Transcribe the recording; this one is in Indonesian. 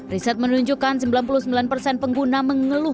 riset menunjukkan sembilan puluh sembilan persen pengguna mengeluh